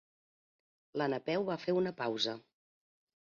La Napeu va fer una pausa.